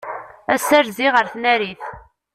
Ass-a rziɣ ar tnarit.